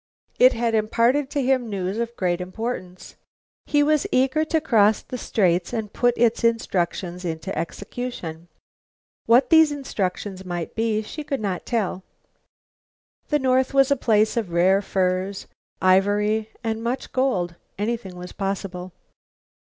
It had imparted to him news of great importance. He was eager to cross the Straits and put its instructions into execution. What these instructions might be, she could not tell. The North was a place of rare furs, ivory and much gold. Anything was possible.